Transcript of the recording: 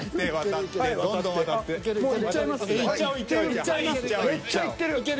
めっちゃ行ってる。